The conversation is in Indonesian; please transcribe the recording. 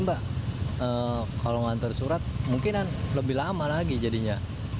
mbak kalau ngantar surat mungkin lebih lama lagi jadinya